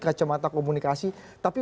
kacamata komunikasi tapi